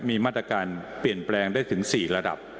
มีมาตรการเปลี่ยนแปลงได้ถึง๔ระดับ